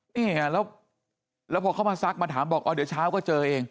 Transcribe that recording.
นี่ไงแล้วพอเขามาซักมาถามบอกอ๋อเดี๋ยวเช้าก็เจอเอง